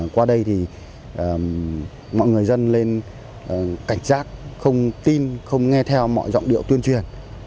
qua đây thì mọi người dân lên cảnh giác không tin không nghe theo mọi giọng điệu tuyên truyền